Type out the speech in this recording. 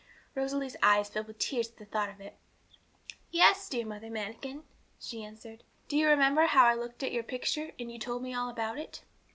Rosalie's eyes filled with tears at the thought of it. 'Yes, dear Mother Manikin,' she answered. 'Do you remember bow I looked at your picture, and you told me all about it?'